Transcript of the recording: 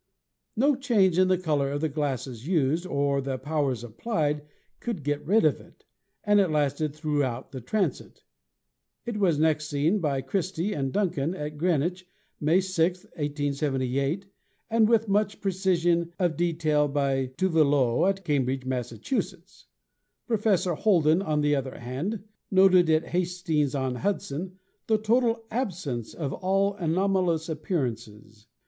"No change in the color of the glasses used, or the pow ers applied, could get rid of it, and it lasted throughout the transit. It was next seen by Christie and Dunkin at Greenwich, May 6, 1878, and with much precision of de tail by Trouvelot at Cambridge, Mass. Professor Holden, on the other hand, noted at Hastings on Hudson the total MERCURY 133 absence of all anomalous appearances.